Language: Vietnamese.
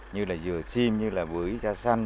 như là dừa xim như là bưởi xa xanh